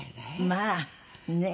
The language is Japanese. まあねえ。